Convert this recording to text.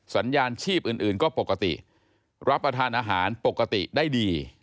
สัญญาณชีพอื่นก็ปกติรับประทานอาหารปกติได้ดี